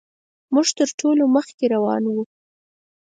موږ تر ټولو مخکې روان وو.